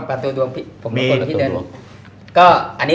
ประตูดวงพี่